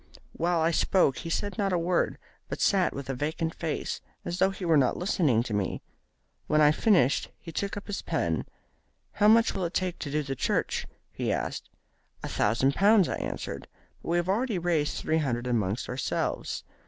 While I spoke he said not a word, but sat with a vacant face, as though he were not listening to me. When I had finished he took up his pen. 'How much will it take to do the church?' he asked. 'A thousand pounds,' I answered; 'but we have already raised three hundred among ourselves.